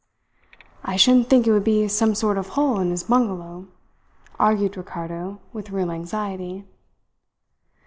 "I shouldn't think it would be some sort of hole in his bungalow," argued Ricardo with real anxiety.